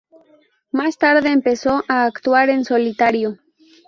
Más tarde empezó a actuar en solitario.